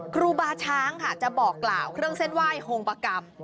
ครูบาช้างค่ะจะบอกกล่าวเครื่องเส้นไหว้โฮงประกรรม